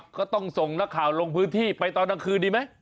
ก็ต้องส่งนักข่าวลงพื้นที่ไปตอนกลางคืนดีไหม